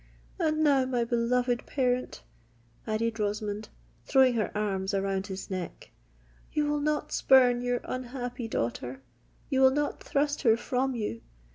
And now, my beloved parent," added Rosamond, throwing her arms around his neck, "you will not spurn your unhappy daughter,—you will not thrust her from you!